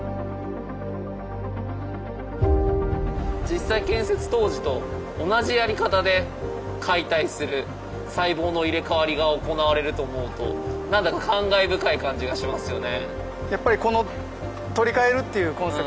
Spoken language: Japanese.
実際建設当時と同じやり方で解体する細胞の入れ替わりが行われると思うとなんだか感慨深い感じがしますよね。